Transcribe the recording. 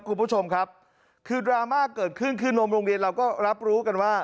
คุณผู้ชมครับคือดราม่าเกิดขึ้นคือนมโรงเรียนเราก็รับรู้กันว่า